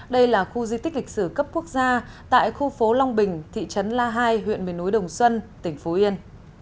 đây là khu di tích lịch sử cấp quốc gia tại khu phố long bình thị trấn la hai huyện miền núi đồng xuân tỉnh phú yên